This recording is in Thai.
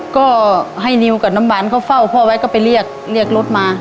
ก็ให้นิวกับน้ำบ่านเขาฟังพ่อไปเรียกเรียกรถมา